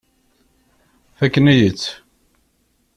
Fakken-iyi-tt.